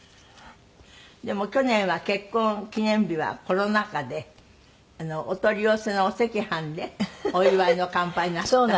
でも去年は結婚記念日はコロナ禍でお取り寄せのお赤飯でお祝いの乾杯なすった？